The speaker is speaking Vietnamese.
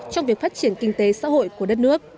trong việc phát triển kinh tế xã hội của đất nước